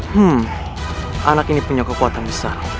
hmm anak ini punya kekuatan besar